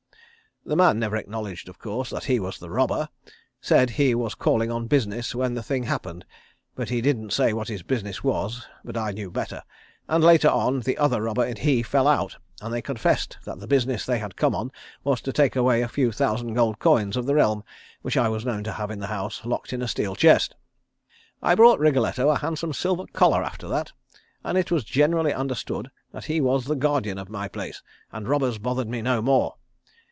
"The man never acknowledged, of course, that he was the robber, said that he was calling on business when the thing happened, but he didn't say what his business was, but I knew better, and later on the other robber and he fell out, and they confessed that the business they had come on was to take away a few thousand gold coins of the realm which I was known to have in the house locked in a steel chest. "I bought Wriggletto a handsome silver collar after that, and it was generally understood that he was the guardian of my place, and robbers bothered me no more.